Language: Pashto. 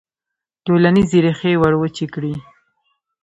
ټولنیزې ریښې وروچې کړي.